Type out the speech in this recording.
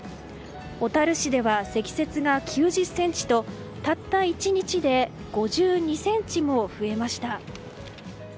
小樽市では積雪が９０ｃｍとたった１日で５２ｃｍも増えました。